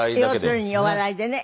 要するにお笑いでね。